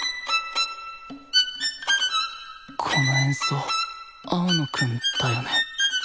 この演奏青野くんだよね？